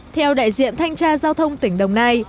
theo đại diện thanh tra giao thông tỉnh đồng nai